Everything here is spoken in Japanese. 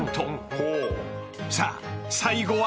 ［さあ最後は？］